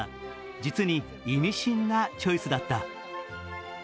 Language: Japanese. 実に意味深なチョイスだった。